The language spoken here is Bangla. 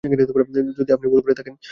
যদি আপনি ভুল করে থাকেন?